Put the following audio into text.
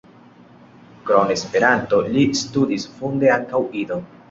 Krom Esperanto li studis funde ankaŭ Idon.